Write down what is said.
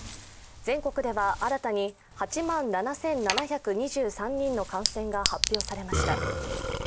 全国では新たに８万７７２３人の感染が発表されました。